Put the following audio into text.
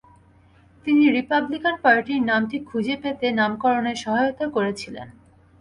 তিনি রিপাবলিকান পার্টির নামটি খুঁজে পেতে নামকরণে সহায়তা করেছিলেন।